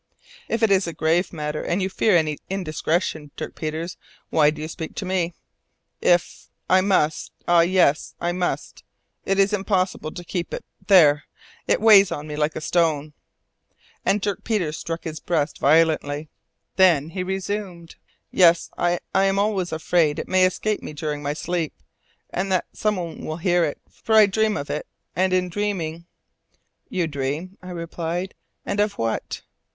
"If it is a grave matter, and you fear any indiscretion, Dirk Peters, why do you speak to me?" "If! I must! Ah, yes! I must! It is impossible to keep it there! It weighs on me like a stone." And Dirk Peters struck his breast violently. Then he resumed: "Yes! I am always afraid it may escape me during my sleep, and that someone will hear it, for I dream of it, and in dreaming " "You dream," I replied, "and of what?"